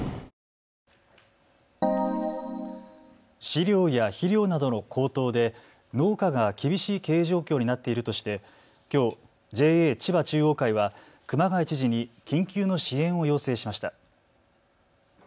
飼料や肥料などの高騰で農家が厳しい経営状況になっているとして、きょうＪＡ千葉中央会は熊谷知事に緊急の支援を要請しました。